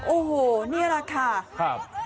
โอ้โหนี่แหละค่ะครับ